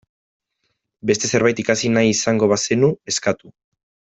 Beste zerbait ikasi nahi izango bazenu, eskatu.